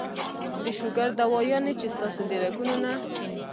د شوګر دوايانې چې ستاسو د رګونو نه